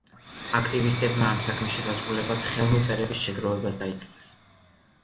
აქტივისტებმა ამ საქმის შესასრულებლად ხელმოწერების შეგროვებაც დაიწყეს.